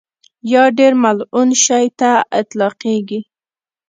یا ډېر ملعون شي ته اطلاقېږي.